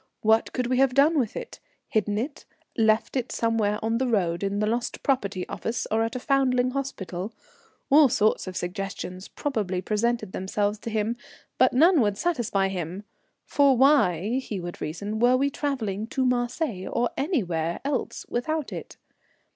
What could we have done with it? Hidden it, left it somewhere on the road in the lost property office or at a foundling hospital? All sorts of suggestions probably presented themselves to him, but none would satisfy him; for why, he would reason, were we travelling to Marseilles or anywhere else without it?